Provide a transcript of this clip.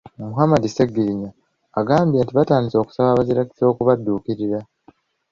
Muhammad Sseggirinya, agambye nti batandise okusaba abazirakisa okubadduukirira.